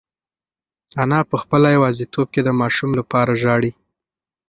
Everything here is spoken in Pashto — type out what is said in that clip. انا په خپله یوازیتوب کې د ماشوم لپاره ژاړي.